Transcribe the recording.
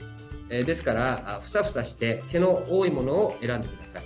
ですから、ふさふさして毛の多いものを選んでください。